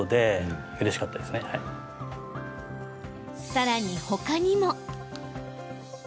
さらに、他にも。